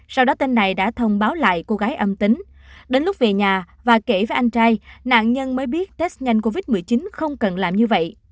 sau đó tên này đã thông báo lại cô gái âm tính đến lúc về nhà và kể với anh trai nạn nhân mới biết test nhanh covid một mươi chín không cần làm như vậy